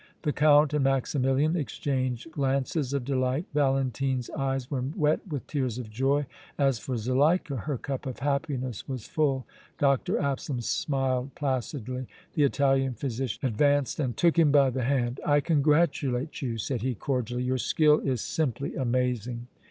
The Count and Maximilian exchanged glances of delight. Valentine's eyes were wet with tears of joy. As for Zuleika, her cup of happiness was full. Dr. Absalom smiled placidly. The Italian physician advanced and took him by the hand. "I congratulate you," said he, cordially. "Your skill is simply amazing!"